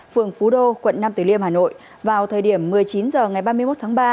phường phú đô quận năm từ liêm hà nội vào thời điểm một mươi chín h ngày ba mươi một tháng ba